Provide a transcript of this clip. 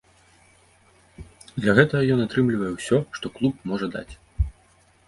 Для гэтага ён атрымлівае ўсё, што клуб можа даць.